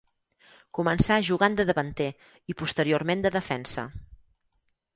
Començà jugant de davanter i posteriorment de defensa.